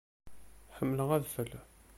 Ḥemmleɣ adfel.